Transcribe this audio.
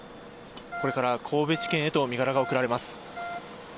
これから神戸地検へと身柄が送られます。